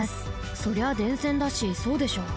そりゃ電線だしそうでしょ。